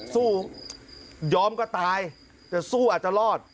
สู้ยอมก็ตายแต่สู้อาจจะรอด